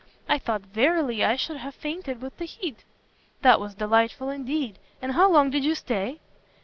I thought verily I should have fainted with the heat." "That was delightful indeed! And how long did you stay?"